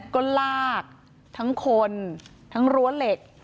ก็ลากทั้งคนทั้งรั้วเหล็ก